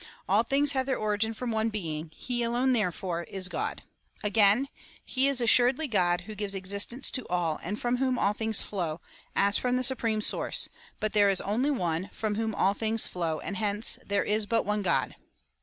All things have their origin from one Being: he alone, therefore, is God." Again — "He is assuredly God who gives existence to all, and from whom all things flow, as from the supreme source ; but there is only One, from whom all things flow, and hence there is but one God."